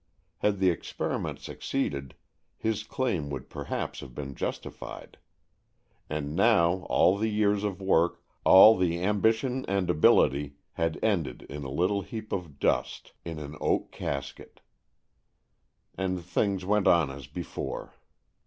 Had the experi ment succeeded, his claim would perhaps have been justified. And now all the years of work, all the ambition and ability, had ended in a little heap of dust in an oak 137 138 AN EXCHANGE OF SOULS casket. And things went on as before.